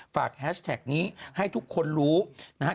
ฝากแฮชแท็กนี้ให้ทุกคนรู้นะฮะ